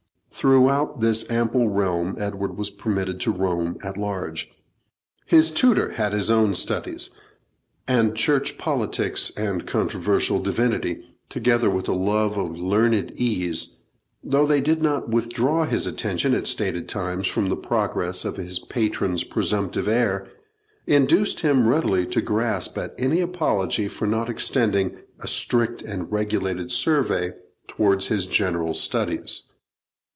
Throughout this ample realm Edward was permitted to roam at large. His tutor had his own studies; and church politics and controversial divinity, together with a love of learned ease, though they did not withdraw his attention at stated times from the progress of his patron's presumptive heir, induced him readily to grasp at any apology for not extending a strict and regulated survey towards his general studies.